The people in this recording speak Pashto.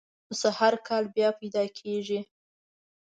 پسه هر کال بیا پیدا کېږي.